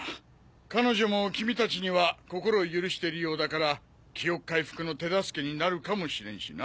彼女も君たちには心を許しているようだから記憶回復の手助けになるかもしれんしな。